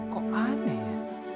kok aneh ya